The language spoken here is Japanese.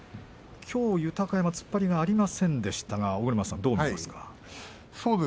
きょう豊山突っ張りはありませんでしたが、尾車さんどう見ますか。